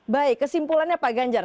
baik kesimpulannya pak ganjar